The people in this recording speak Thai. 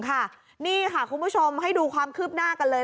นี่ค่ะคุณผู้ชมให้ดูความคืบหน้ากันเลย